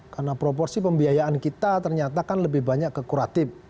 karena proporsi pembiayaan kita ternyata kan lebih banyak ke kuratif